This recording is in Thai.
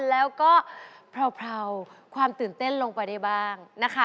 แล้วก็เผลาความตื่นเต้นลงไปได้บ้างนะคะ